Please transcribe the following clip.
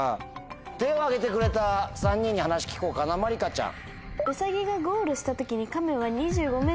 手を挙げてくれた３人に話聞こうかなまりかちゃん。